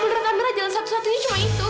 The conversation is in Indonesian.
menurut amira jalan satu satunya cuma itu